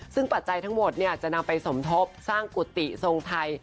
ซึ่งปัจจัยทั้งหมดจะนำไปสมทบสร้างกุฏิทรงไทย